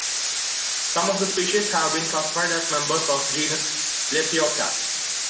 Some of the species have been classified as members of genus "Lepiota".